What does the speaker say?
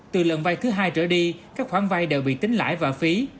từ lần vai thứ hai trở đi các khoản vai đều bị tính lãi và phí